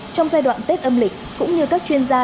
trong giai đoạn tết âm lịch cũng như các chuyên gia